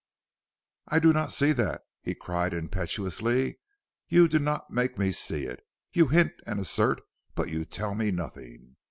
"I do not see that," he cried impetuously. "You do not make me see it. You hint and assert, but you tell me nothing.